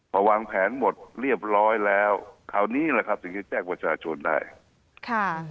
พอวางแผนหมดเรียบร้อยแล้วคราวนี้แหละครับถึงจะแจ้งประชาชนได้ค่ะ